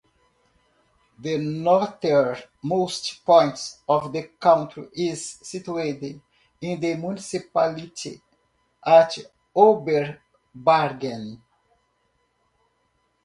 The northernmost point of the country is situated in the municipality, at Oberbargen.